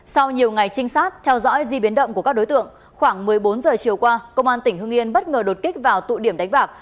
sau nhiều ngày trinh sát theo dõi di biến động của các đối tượng khoảng một mươi bốn giờ chiều qua công an tỉnh hưng yên bất ngờ đột kích vào tụ điểm đánh bạc